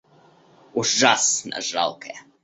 Ужасно жалкое!